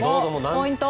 ポイント